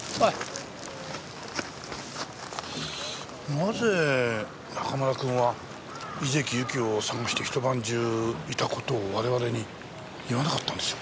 なぜ中村くんは井関ゆきを捜して一晩中いた事を我々に言わなかったんでしょうか？